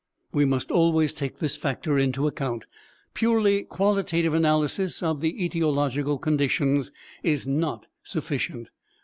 We must always take this factor into account. Purely qualitative analysis of the etiological conditions is not sufficient.